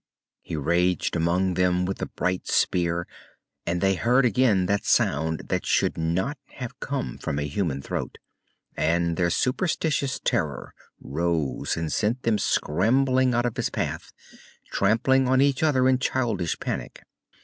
He raged among them with the bright spear, and they heard again that sound that should not have come from a human throat, and their superstitious terror rose and sent them scrambling out of his path, trampling on each other in childish panic.